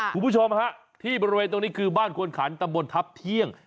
คุณผู้ชมฮะที่บริเวณตรงนี้คือบ้านควรขันตำบลทัพเที่ยง